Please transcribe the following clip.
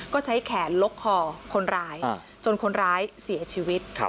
ก็ใช้แขนล็อกคอคนร้ายจนคนร้ายเสียชีวิต